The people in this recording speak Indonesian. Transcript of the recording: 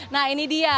nah ini dia